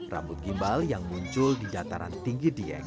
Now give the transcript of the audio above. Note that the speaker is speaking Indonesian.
rambut gimbal yang muncul di dataran tinggi dieng